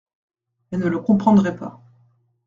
Elle ne le comprendrait pas.